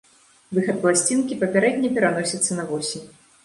Выхад пласцінкі папярэдне пераносіцца на восень.